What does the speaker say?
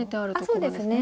そうですね。